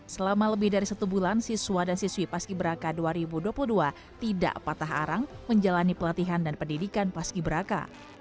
selama lebih dari satu bulan siswa dan siswi paski beraka dua ribu dua puluh dua tidak patah arang menjalani pelatihan dan pendidikan paski beraka